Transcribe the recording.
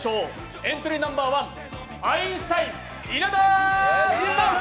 エントリーナンバー１アインシュタイン・稲田直樹。